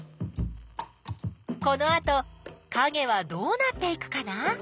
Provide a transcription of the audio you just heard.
このあとかげはどうなっていくかな？